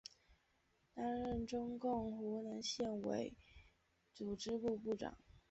担任中共湖南省委组织部部长。